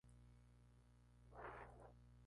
Ambos partidos se disputaron en Tuluá.